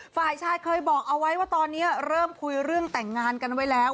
ฝ่ายชายเคยบอกเอาไว้ว่าตอนนี้เริ่มคุยเรื่องแต่งงานกันไว้แล้ว